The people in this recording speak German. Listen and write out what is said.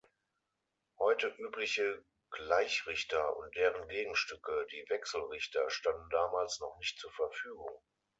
Heute übliche Gleichrichter und deren Gegenstücke, die Wechselrichter, standen damals noch nicht zur Verfügung.